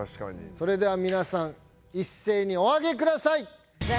それではみなさんいっせいにお上げください！